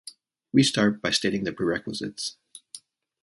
We start by stating the prerequisites.